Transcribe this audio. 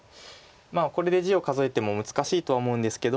これで地を数えても難しいとは思うんですけど。